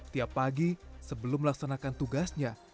tiap pagi sebelum melaksanakan tugasnya